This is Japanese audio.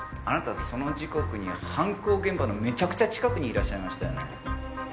あなたその時刻には犯行現場のめちゃくちゃ近くにいらっしゃいましたよね。